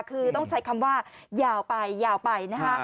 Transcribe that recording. คือต้องใช้คำว่ายาวไปยาวไปนะคะ